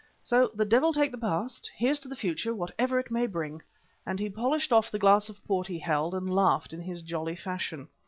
So the devil take the past, here's to the future and whatever it may bring," and he polished off the glass of port he held and laughed in his jolly fashion.